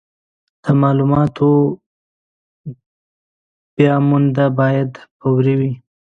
د مالوماتو بیاموندنه باید فوري وي.